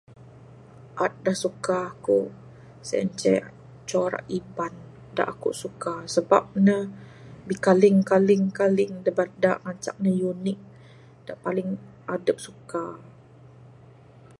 Art da suka aku sien ceh corak iban da aku suka sabab ne bikaling kaling kaling da ngancak ne unik da paling adep suka